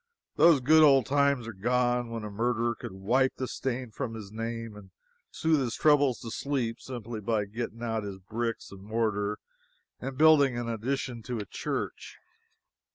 Those good old times are gone when a murderer could wipe the stain from his name and soothe his troubles to sleep simply by getting out his bricks and mortar and building an addition to a church.